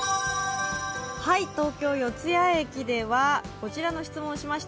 東京・四ツ谷駅ではこちらの質問しました。